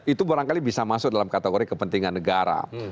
itu barangkali bisa masuk dalam kategori kepentingan negara